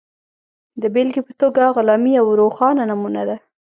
د بېلګې په توګه غلامي یوه روښانه نمونه ده.